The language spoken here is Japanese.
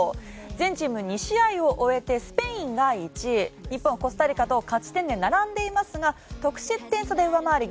全チーム２試合を終えてスペインが１位日本はコスタリカと勝ち点で並んでいますが得失点差で上回り